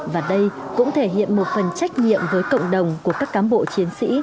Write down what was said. và đây cũng thể hiện một phần trách nhiệm với cộng đồng của các cám bộ chiến sĩ